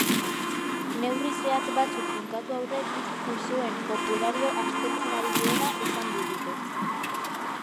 Neurri zehatz batzuk finkatu aurretik, usoen populario aztertzen ari direla esan digute.